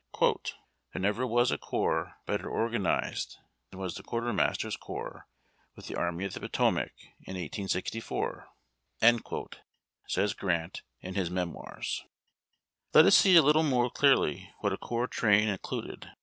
" There never was a corps better organized than was the quartermaster's corps with the Army of the Potomac in 1864," says Grant in his Memoirs. Let us see a little more clearly what a corps train in cluded.